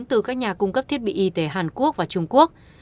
từ các nhà cung cấp thiết bị y tế hàn quốc và trung quốc